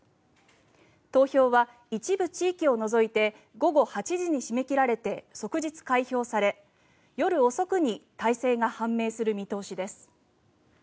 投票は一部地域を除いて午後８時に締め切られて即日開票され、夜遅くに大勢が判明する見通しです。